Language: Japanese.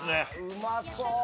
うまそう！